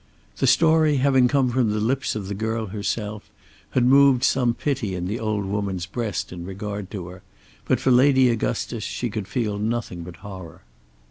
The story having come from the lips of the girl herself had moved some pity in the old woman's breast in regard to her; but for Lady Augustus she could feel nothing but horror.